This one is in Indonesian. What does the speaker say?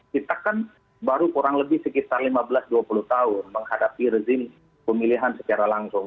kita kan baru kurang lebih sekitar lima belas dua puluh tahun menghadapi rezim pemilihan secara langsung